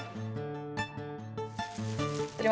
saya seneng kalau kang umus mau nerima